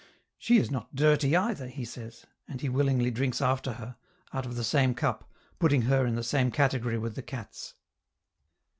"She is not dirty, either," he says; and he willingly drinks after her, out of the same cup, putting her in the same category with the cats.